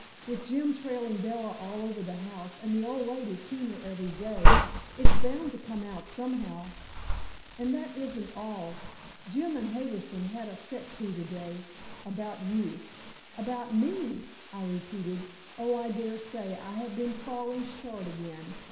"With Jim trailing Bella all over the house, and the old lady keener every day, it's bound to come out somehow. And that isn't all. Jim and Harbison had a set to today about you." "About me!" I repeated. "Oh, I dare say I have been falling short again.